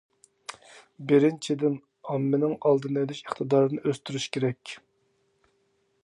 بىرىنچىدىن، ئاممىنىڭ ئالدىنى ئېلىش ئىقتىدارىنى ئۆستۈرۈش كېرەك.